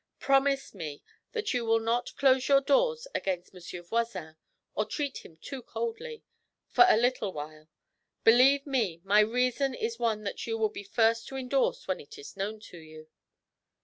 Promise me that you will not close your doors against Monsieur Voisin, or treat him too coldly, for a little while. Believe me, my reason is one that you will be first to endorse when it is known to you.'